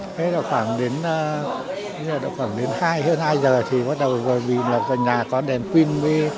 thế là khoảng đến hai giờ thì bắt đầu vì nhà có đèn pin